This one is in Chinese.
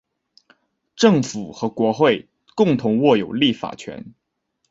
政府和国会共同握有立法权。